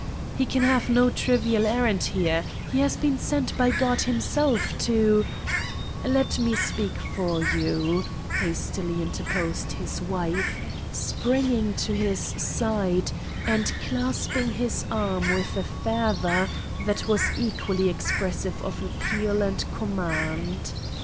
"He can have no trivial errand here; he has been sent by God Himself to——" "Let me speak for you," hastily interposed his wife, springing to his side and clasping his arm with a fervor that was equally expressive of appeal and command.